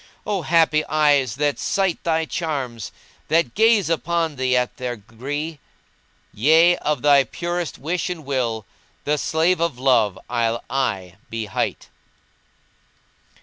O happy eyes that sight thy charms * That gaze upon thee at their gree! Yea, of my purest wish and will * The slave of Love I'll aye be hight."